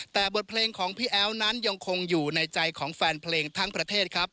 แต่บทเพลงของพี่แอ๋วนั้นยังคงอยู่ในใจของแฟนเพลงทั้งประเทศครับ